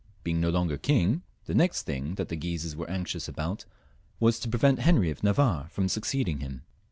being no longer king, the next thing that the Guises were anxious about was to prevent Henry of Navarre from succeeding him.